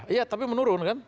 iya tapi menurun kan